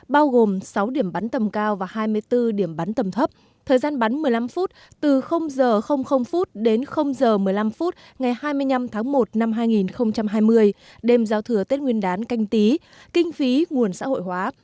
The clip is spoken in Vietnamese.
bao gồm sáu điểm bắn tầm cao và hai mươi bốn điểm bắn tầm thấp thời gian bắn một mươi năm phút từ h đến h một mươi năm phút ngày hai mươi năm tháng một năm hai nghìn hai mươi đêm giao thừa tết nguyên đán canh tí kinh phí nguồn xã hội hóa